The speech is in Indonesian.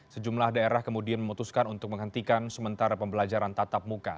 sejumlah daerah kemudian memutuskan untuk menghentikan sementara pembelajaran tatap muka